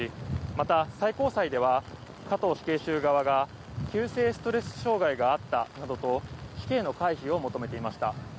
また、最高裁では加藤死刑囚側が急性ストレス障害があったなどと死刑の回避を求めていました。